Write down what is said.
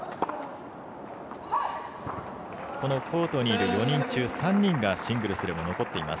このコートにいる４人中３人がシングルスでも残っています。